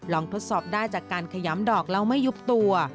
ทดสอบได้จากการขยำดอกแล้วไม่ยุบตัว